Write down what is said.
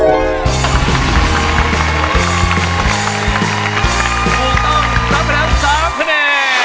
ตัวต้องก็ต้องรับ๓คะแนน